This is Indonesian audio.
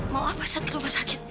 mau apa saya ke rumah sakit